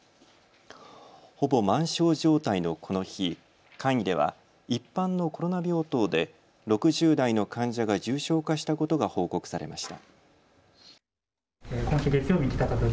ほぼ満床状態のこの日、会議では一般のコロナ病棟で６０代の患者が重症化したことが報告されました。